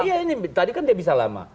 iya ini tadi kan dia bisa lama